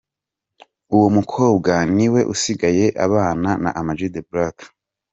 Uwo mukobwa niwe usigaye abana na Am G The Black.